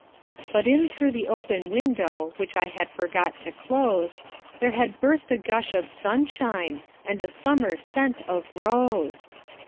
But in through the open window, Which I had forgot to close, There had burst a gush of sunshineAnd a summer scent of rose.